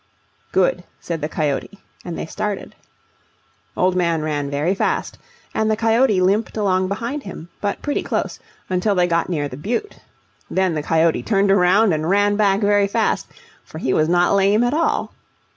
"Good," said the coyote, and they started. Old Man ran very fast, and the coyote limped along behind him, but pretty close, until they got near the butte. Then the coyote turned around and ran back very fast, for he was not lame at all.